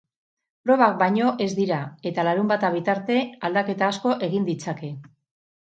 Probak baino ez dira eta larunbata bitarte aldaketa asko egin ditzake.